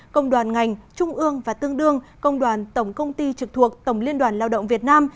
công đoàn ngành trung ương và tương đương công đoàn tổng công ty trực thuộc tổng liên đoàn lao động việt nam